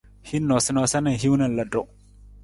Hin noosanoosa na hiwung na ludu.